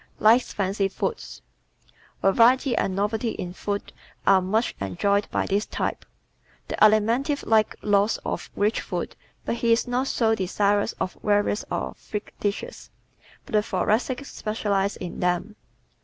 Likes Fancy Foods ¶ Variety and novelty in food are much enjoyed by this type. The Alimentive likes lots of rich food but he is not so desirous of varieties or freak dishes. But the Thoracic specializes in them.